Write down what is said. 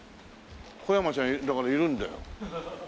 小山ちゃんだからいるんだよ。